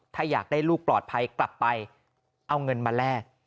ถ้าอยากได้ลูกปลอดภัยกลับไปเอาเงินมาแลก